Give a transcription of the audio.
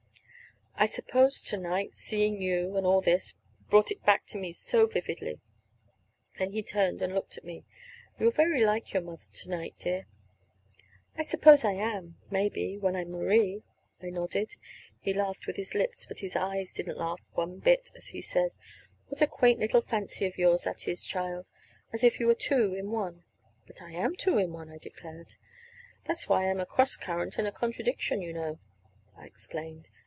"I suppose to night, seeing you, and all this, brought it back to me so vividly." Then he turned and looked at me. "You are very like your mother to night, dear." "I suppose I am, maybe, when I'm Marie," I nodded. He laughed with his lips, but his eyes didn't laugh one bit as he said: "What a quaint little fancy of yours that is, child as if you were two in one." "But I am two in one," I declared. "That's why I'm a cross current and a contradiction, you know," I explained.